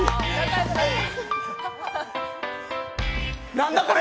何だこれ！